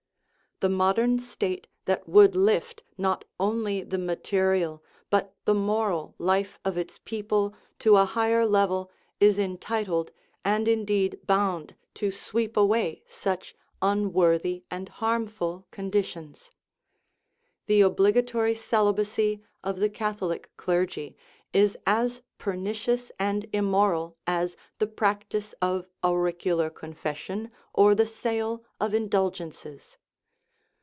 The modern state that would lift not only the mate rial, but the moral, life of its people to a higher level is entitled, and indeed bound, to sweep away such unworthy and harmful conditions. The obligatory celibacy of the Catholic clergy is as pernicious and immoral as the practice of auricular confession or the sale of indulgences.